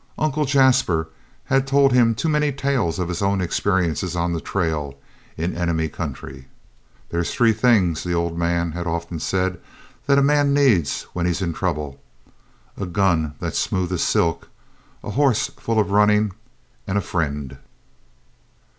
Uncle Jasper had told him too many tales of his own experiences on the trail in enemy country. "There's three things," the old man had often said, "that a man needs when he's in trouble: a gun that's smooth as silk, a hoss full of running, and a friend."